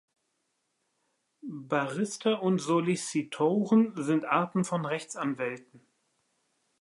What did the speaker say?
Barrister und Solicitoren sind Arten von Rechtsanwälten